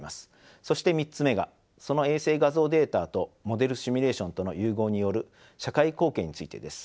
そして３つ目がその衛星画像データとモデルシミュレーションとの融合による社会貢献についてです。